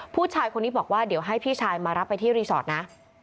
ผู้ชายคนนี้บอกว่าเดี๋ยวให้พี่ชายมารับไปที่รีสอร์ทนะ